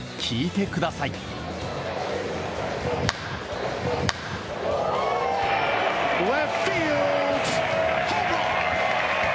聞いてください。